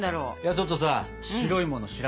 ちょっとさ白いもの調べててさ。